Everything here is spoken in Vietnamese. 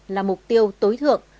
là mục tiêu tối thượng